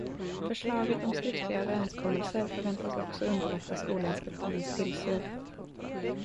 Förslaget om skriftliga överenskommelser förväntas också underlätta Skolinspektionens tillsyn.